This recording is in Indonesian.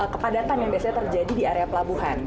kepadatan yang biasanya terjadi di area pelabuhan